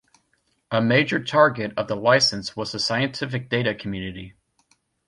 A major target of the license was the scientific data community.